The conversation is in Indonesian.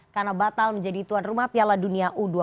karena batal menjadi tuan rumah piala dunia u dua puluh